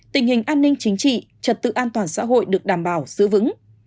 tình hình an ninh chính trị trật tự an toàn xã hội được đảm bảo giữ vững